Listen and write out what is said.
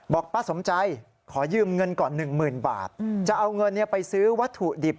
บอกป้าสมใจขอยืมเงินก่อน๑๐๐๐บาทจะเอาเงินไปซื้อวัตถุดิบ